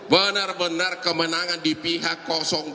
benar benar kemenangan di pihak dua